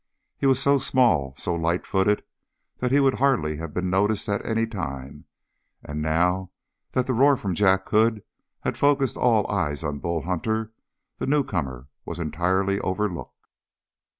He was so small, so light footed, that he would hardly have been noticed at any time, and now that the roar from Jack Hood had focused all eyes on Bull Hunter, the newcomer was entirely overlooked.